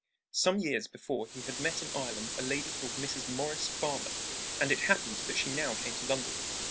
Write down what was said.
Some years before he had met in Ireland a lady called Mrs. Maurice Farmer; and it happened that she now came to London.